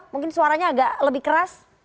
mungkin suaranya agak lebih keras